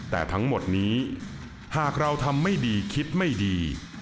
แต่ทั้งหมดนี้หากเราทำไม่ดีคิดไม่ดี